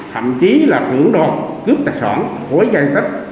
thậm chí là cưỡng đồ cướp tài sản hối gian tích